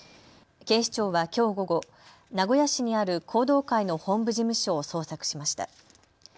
警視庁はきょう午後、名古屋市にある弘道会の本部事務所を捜索しました。